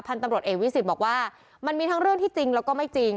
ตำรวจเอกวิสิตบอกว่ามันมีทั้งเรื่องที่จริงแล้วก็ไม่จริง